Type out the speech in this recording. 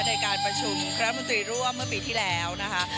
ในการประชุมรัฐมนตรีร่วมเมื่อปีที่แล้วนะคะ